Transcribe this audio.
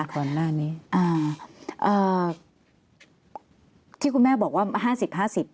ก่อนหน้านี้อ่าเอ่อที่คุณแม่บอกว่าห้าสิบห้าสิบ